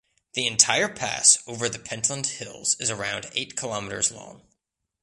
The entire pass over the Pentland Hills is around eight kilometers long.